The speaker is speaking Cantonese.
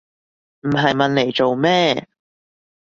唔係問黎做咩